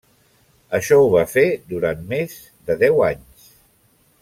Això ho va fer durant més de deu anys.